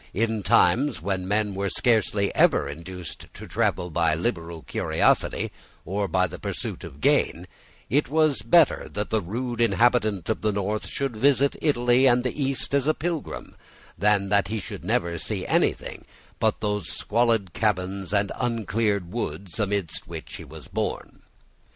In times when men were scarcely ever induced to travel by liberal curiosity, or by the pursuit of gain, it was better that the rude inhabitant of the North should visit Italy and the East as a pilgrim, than that he should never see anything but those squalid cabins and uncleared woods amidst which he was born.